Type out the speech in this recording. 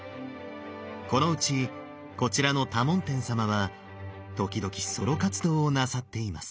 このうちこちらの多聞天様は時々ソロ活動をなさっています。